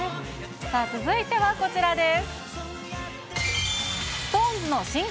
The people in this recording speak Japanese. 続いてはこちらです。